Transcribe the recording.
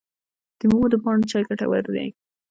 د میوو د پاڼو چای ګټور دی؟